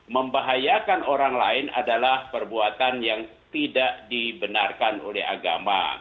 membahayakan orang lain adalah perbuatan yang tidak dibenarkan oleh agama